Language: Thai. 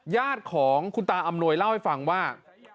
ญาติของคุณตาอำนวยเล่าให้ฟังว่า